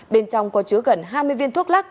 bên trong có chứa gần hai mươi viên thuốc lắc